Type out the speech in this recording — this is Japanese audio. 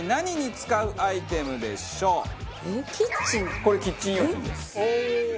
これキッチン用品です。